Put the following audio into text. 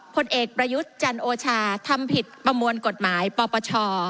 ผลเอกประยุทธ์จันโอชาทำผิดประมวลกฎหมายปปช